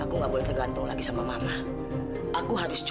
aku gak boleh tergantung lagi sama mama aku yaudah deh